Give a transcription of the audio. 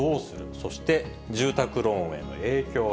そして住宅ローンへの影響は？